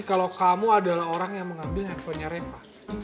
kalau kamu adalah orang yang mengambil handphonenya rempah